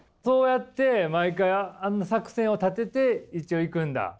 そうやって毎回あんな作戦を立てて一応いくんだ？